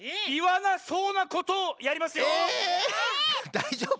⁉だいじょうぶ？